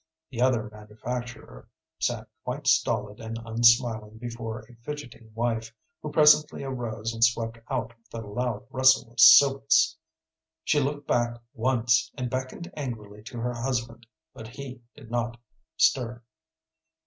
The other manufacturer sat quite stolid and unsmiling beside a fidgeting wife, who presently arose and swept out with a loud rustle of silks. She looked back once and beckoned angrily to her husband, but he did not stir.